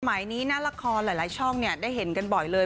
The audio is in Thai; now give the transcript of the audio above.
อันใหม่นี้นาฬารกรหลายช่องได้เห็นกันบ่อยเลย